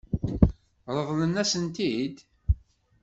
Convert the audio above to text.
Ṛeḍlent-asen-t-id?